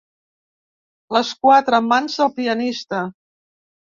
Les quatre mans del pianista.